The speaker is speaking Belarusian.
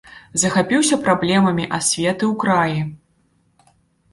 Захапіўся праблемамі асветы ў краі.